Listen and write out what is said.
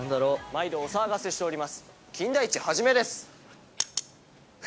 毎度、お騒がせしております